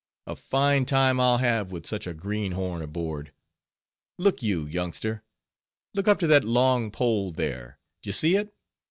"A fine time I'll have with such a greenhorn aboard. Look you, youngster. Look up to that long pole there—d'ye see it?